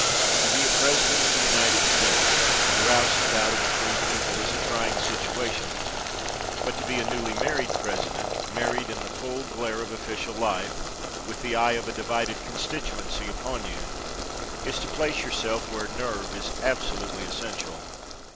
To be a president of the United States, the roustabout of a free people, is a trying situation; but to be a newly married president, married in the full glare of official life, with the eye of a divided constituency upon you, is to place yourself where nerve is absolutely essential.